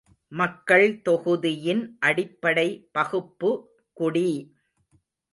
மக்கள் தொகுதியின் அடிப்படை பகுப்பு குடி!